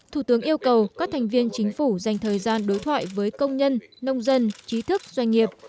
thủ tướng yêu cầu các thành viên chính phủ dành thời gian đối thoại với công nhân nông dân trí thức doanh nghiệp